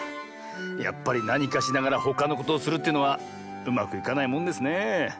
やっぱりなにかしながらほかのことをするというのはうまくいかないもんですねえ。